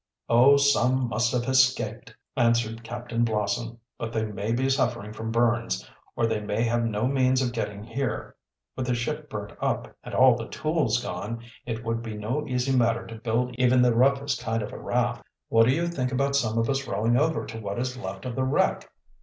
"Oh, some must have escaped," answered Captain Blossom. "But they may be suffering from burns, or they may have no means of getting here. With the ship burnt up, and all the tools gone, it would be no easy matter to build even the roughest kind of a raft." "What do you think about some of us rowing over to what is left of the wreck?"